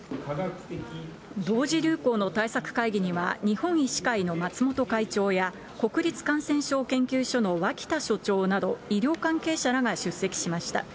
同時流行の対策会議には、日本医師会の松本会長や、国立感染症研究所の脇田所長など、医療関係者らが出席しました。